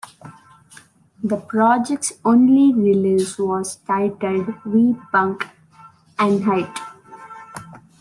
The project's only release was titled We Punk Einheit!